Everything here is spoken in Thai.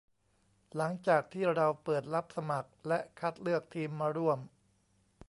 หลังจากที่เราเปิดรับสมัครและคัดเลือกทีมมาร่วม